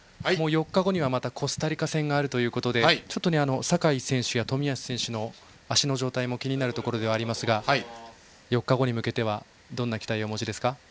４日後にはまたコスタリカ戦があるということで酒井選手や冨安選手の足の状態も気になりますが４日後に向けてどんな期待をお持ちですか。